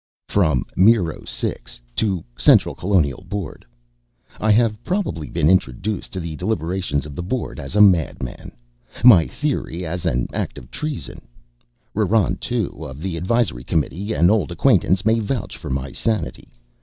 From MIRO CIX To Central Colonial Board I have probably been introduced to the deliberations of the Board as a madman, my theory as an act of treason. RRON II of the Advisory Committee, an old acquaintance, may vouch for my sanity.